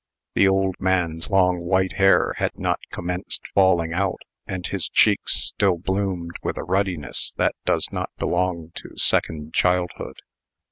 The old man's long white hair had not commenced falling out; and his cheeks still bloomed with a ruddiness that does not belong to second childhood.